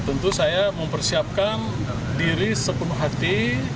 tentu saya mempersiapkan diri sepenuh hati